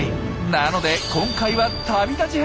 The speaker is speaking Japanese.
なので今回は旅立ち編。